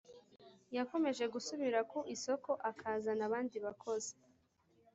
Yakomeje gusubira ku isoko akazana abandi bakozi